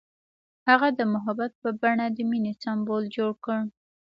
هغه د محبت په بڼه د مینې سمبول جوړ کړ.